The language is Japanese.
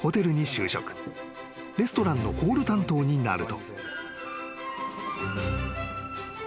［レストランのホール担当になると］